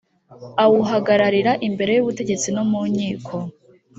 awuhagararira imbere y ubutegetsi no mu nkiko